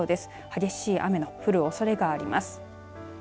激しい雨の降るおそれがあります。